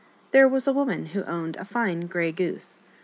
HERE was a woman who owned a fine grey goose.